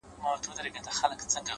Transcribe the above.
زما د ميني جنډه پورته ښه ده;